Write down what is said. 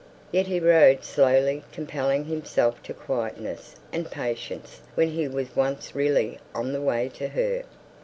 Yet he rode slowly, compelling himself to quietness and patience when he was once really on the way to her.